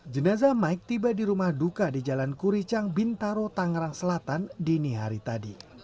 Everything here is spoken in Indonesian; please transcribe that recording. jenazah mike tiba di rumah duka di jalan kuricang bintaro tanggerang selatan dinihari tadi